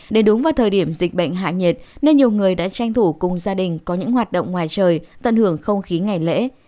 để đúng vào thời điểm dịch bệnh hạ nhiệt nên nhiều người đã tranh thủ cùng gia đình có những hoạt động ngoài trời tận hưởng không khí ngày lễ